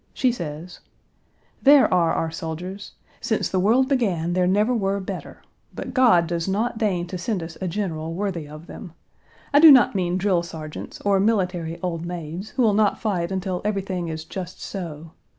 She says: "There are our soldiers. Since the world began there never were better but God does not deign to send us a general worthy of them. I do not mean drill sergeants or military old maids, who will not fight until everything is just so.